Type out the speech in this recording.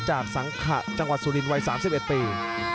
จากสังขะจังหวัดสุรินไวท์๓๑ปี